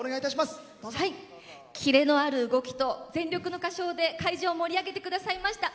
キレのある動きと全力の歌唱で会場を盛り上げてくださいました。